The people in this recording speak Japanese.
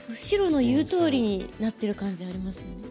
白の言うとおりになってる感じありますよね。